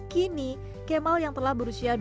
kini kemal yang telah berusia dua puluh dua tahun